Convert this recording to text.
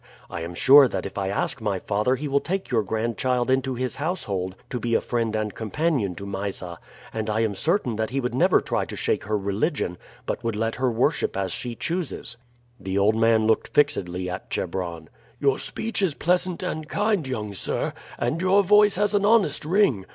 I am sure that if I ask my father he will take your grandchild into his household to be a friend and companion to Mysa, and I am certain that he would never try to shake her religion, but would let her worship as she chooses." The old man looked fixedly at Chebron. "Your speech is pleasant and kind, young sir, and your voice has an honest ring.